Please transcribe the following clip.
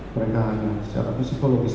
mereka hanya secara fisikologis